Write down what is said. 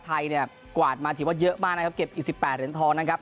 ไทยเนี่ยกวาดมาถือว่าเยอะมากนะครับเก็บอีก๑๘เหรียญทองนะครับ